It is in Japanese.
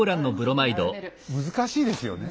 難しいですよね。